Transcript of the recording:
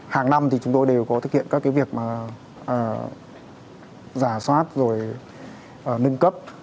hàng năm thì chúng tôi đều có thực hiện các cái việc mà giả soát rồi nâng cấp